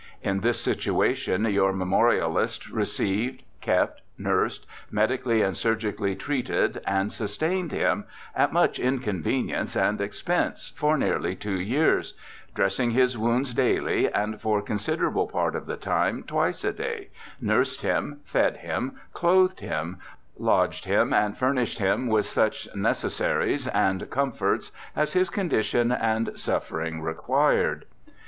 In this situation your memorialist received, kept, nursed, medically and surgically treated and sustained him, at much inconvenience and expense, for nearly two years, dressing his wounds daily, and for considerable part of the time twice a day, nursed him, fed him, clothed him, lodged him and furnished him with such neces saries and comforts as his condition and suffering required.